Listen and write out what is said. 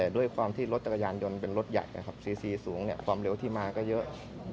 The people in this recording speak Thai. ด้วยความที่รถจักรยานยนต์เป็นรถใหญ่นะครับซีซีสูงความเร็วที่มาก็เยอะ